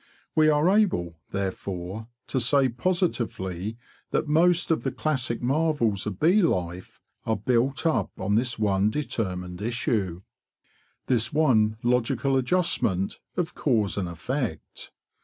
We are able, therefore, to say positively that most of the classic marvels of bee life are built up on this one determined issue, this one logical adjustment of cause and effect.